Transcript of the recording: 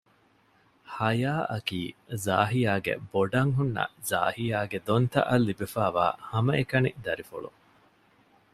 ހަޔާ އަކީ ޒާހިޔާގެ ބޮޑަށް ހުންނަ ޒާހިޔާގެ ދޮންތަ އަށް ލިބިފައިވާ ހަމަ އެކަނި ދަރިފުޅު